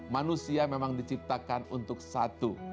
manusia memang diciptakan untuk satu